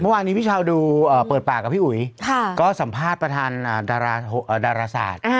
เมื่อวานนี้พี่ชาวดูเปิดปากกับพี่อุ๋ยก็สัมภาษณ์ประธานดาราศาสตร์